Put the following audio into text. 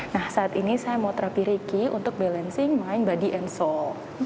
nah saat ini saya mau terapi ricky untuk balancing mind body and soul